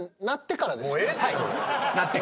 鳴ってからです。